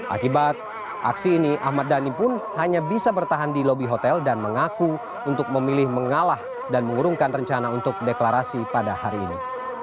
akibat aksi ini ahmad dhani pun hanya bisa bertahan di lobi hotel dan mengaku untuk memilih mengalah dan mengurungkan rencana untuk deklarasi pada hari ini